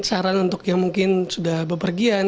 saran untuk yang mungkin sudah bepergian